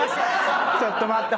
ちょっと待って。